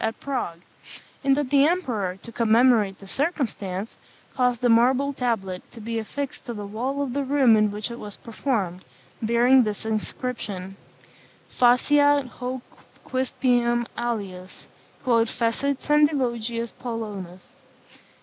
at Prague; and that the emperor, to commemorate the circumstance, caused a marble tablet to be affixed to the wall of the room in which it was performed, bearing this inscription, "Faciat hoc quispiam alius, quod fecit Sendivogius Polonus."